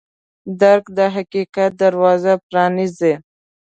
درک د حقیقت دروازه پرانیزي.